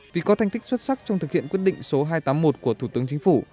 vì có thành tích xuất sắc trong thực hiện quyết định số hai trăm tám mươi một của thủ tướng chính phủ